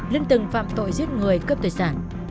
lân từng phạm tội giết người cướp tội sản